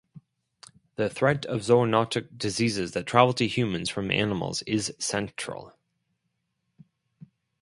The threat of zoonotic diseases that travel to humans from animals is central.